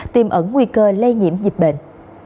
tiêm ẩn nguy cơ lây nhiễm dịch bệnh